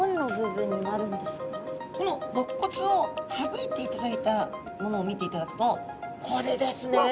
このろっ骨を省いていただいたものを見ていただくとこれですね。